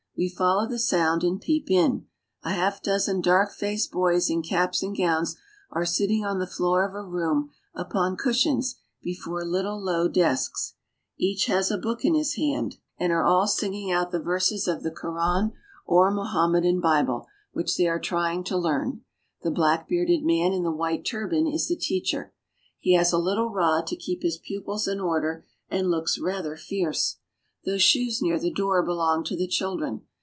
We follow the sound and peep A half dozen dark faced boys in caps and gowns are sitting on the floor of a room Upon cushions before ifittle low desks. Each a book in his hand, I MOROCCO 19 and all are singing out the verses of the Koran or Moham medan Bible, which they are trying to learn. The black bearded man in the white turban is the teacher. He has a little rod to keep his pupils in order and looks rather fierce. Those shoes near the door belong to the children.